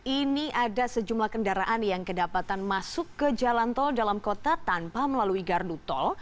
ini ada sejumlah kendaraan yang kedapatan masuk ke jalan tol dalam kota tanpa melalui gardu tol